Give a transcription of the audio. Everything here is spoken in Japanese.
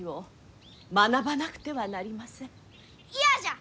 嫌じゃ！